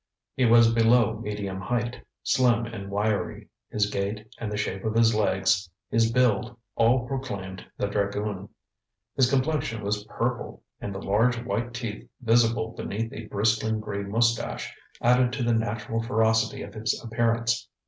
He was below medium height, slim and wiry; his gait and the shape of his legs, his build, all proclaimed the dragoon. His complexion was purple, and the large white teeth visible beneath a bristling gray moustache added to the natural ferocity of his appearance.